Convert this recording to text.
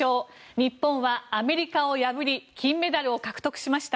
日本はアメリカを破り金メダルを獲得しました。